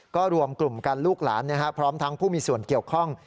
ก็รวมกลุ่มกันลูกหลานพร้อมทั้งผู้มีส่วนเกี่ยวข้อง